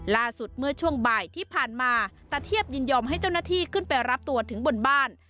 ล่าสุดเมื่อช่วงบ่ายที่ผ่านมาตะเทียบยินยอมให้เจ้าหน้าที่ขึ้นไปรับตัวถึงบนบ้าน